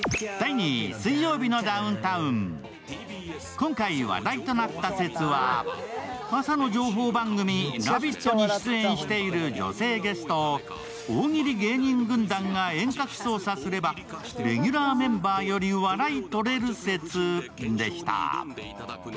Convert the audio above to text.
今回話題となった説は、朝の情報番組「ラヴィット！」出演している女性ゲストを大喜利芸人軍団が遠隔操作すればレギュラーメンバーより笑い取れる説でした。